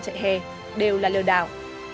chạy hè đều là lừa đảo